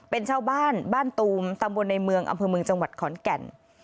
เป็นชาวบ้านบ้านตูมตำบลในเมืองอำเภอเมืองจังหวัดขอนแก่น